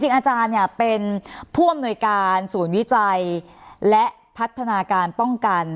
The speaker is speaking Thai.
อาจารย์เนี่ยเป็นผู้อำนวยการศูนย์วิจัยและพัฒนาการป้องกัน